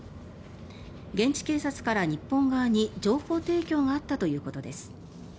現地警察から日本側に情報提供があったということです。